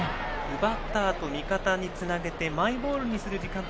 奪ったあと味方につなげてマイボールにする時間帯。